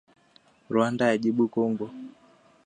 Rwanda yajibu Kongo